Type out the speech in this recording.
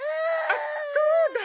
あっそうだ！